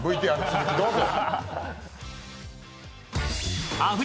ＶＴＲ続きどうぞ。